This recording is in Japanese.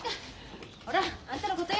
ほらあんたのことよ。